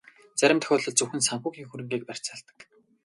Зарим тохиолдолд зөвхөн санхүүгийн хөрөнгийг барьцаалдаг.